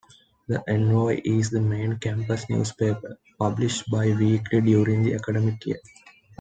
"The Envoy" is the main campus newspaper, published bi-weekly during the academic year.